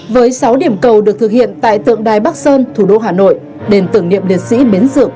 với sáu điểm cầu được thực hiện tại tượng đài bắc sơn thủ đô hà nội đền tưởng niệm liệt sĩ bến dược